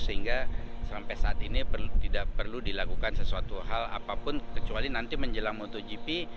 sehingga sampai saat ini tidak perlu dilakukan sesuatu hal apapun kecuali nanti menjelang motogp